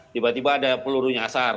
tiba tiba ada peluru nyasar